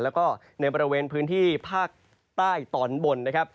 แล้วก็ในบริเวณพื้นที่ภาคใต้ตอนบนนะครับ